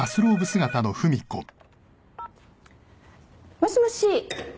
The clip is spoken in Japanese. もしもし？